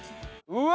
うわ！